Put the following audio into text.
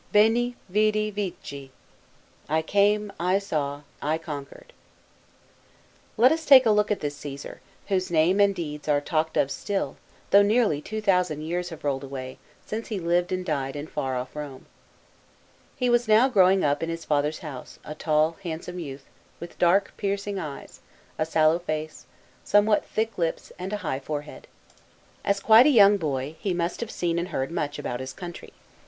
" Veni, vidi, vici "" I came, I saw, I conquered." LET us take a look at this Caesar, whose name and deeds are talked of still, though nearly two thousand years have rolled away, since he lived and died in far off Rome. He was now growing up, in his father's house, a tall handsome youth, with dark piercing eyes, a sallow face, somewhat thick lips, and a high forehead. As quite a >oung boy, he must have seen and heard much, about his country.